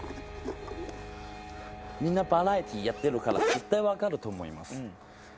みんなバラエティーやってるから絶対分かると思います。